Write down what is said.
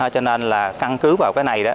cho nên là căn cứ vào cái này